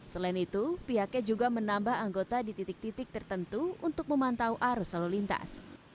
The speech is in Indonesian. selain itu pihaknya juga menambah anggota di titik titik tertentu untuk memantau arus lalu lintas